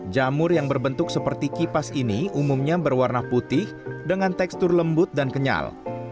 jamur yang berbentuk seperti kipas ini umumnya berwarna putih dengan tekstur lembut dan kenyal